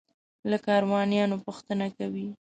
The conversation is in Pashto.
له کاروانیانو پوښتنه کوي.